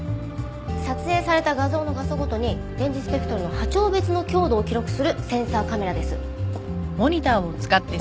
撮影された画像の画素ごとに電磁スペクトルの波長別の強度を記録するセンサーカメラです。